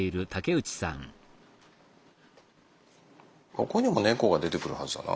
ここにも猫が出てくるはずだな。